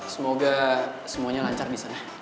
semoga semuanya lancar disana